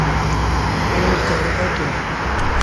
اوں کار اتوم۔